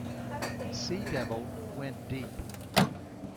"Sea Devil" went deep.